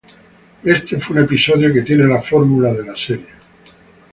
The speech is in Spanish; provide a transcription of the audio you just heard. Este fue un episodio que tiene la fórmula de la serie.